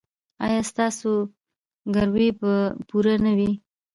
ایا ستاسو ګروي به پوره نه وي؟